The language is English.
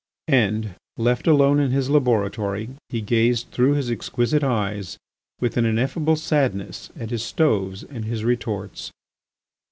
And, left alone in his laboratory, he gazed, through his exquisite eyes, with an ineffable sadness at his stoves and his retorts.